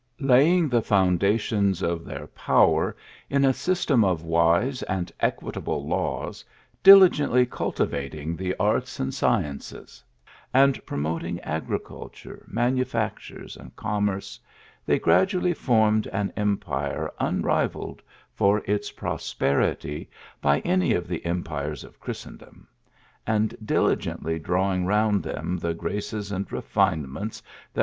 Laying the foundations of their power in a system of wise and equitable laws, diligently cul tivating the arts and sciences, and promoting agri culture, manufactures, and commerce, they gradually formed an empire unrivalled for its piosperity, b) any of the empires of Christendom ; and diligently drawing round them the graces and refinements that 48 THE ALHAMJ3KA.